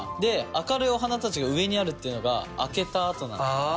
明るいお花たちが上にあるっていうのが明けた後なのかな。